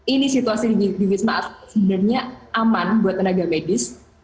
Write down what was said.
ini situasi di wisma atlet sebenarnya aman buat tenaga medis